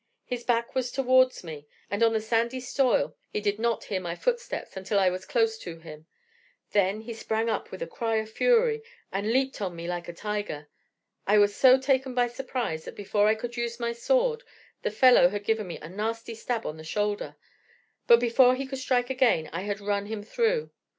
His back was towards me, and on the sandy soil he did not hear my footsteps until I was close to him; then he sprang up with a cry of fury, and leaped on me like a tiger. I was so taken by surprise that before I could use my sword the fellow had given me a nasty stab on the shoulder; but before he could strike again I had run him through.